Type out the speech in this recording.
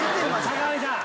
坂上さん！